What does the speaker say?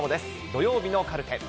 土曜日のカルテ。